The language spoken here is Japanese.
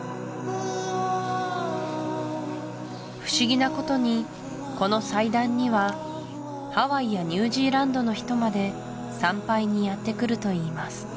不思議なことにこの祭壇にはハワイやニュージーランドの人まで参拝にやって来るといいます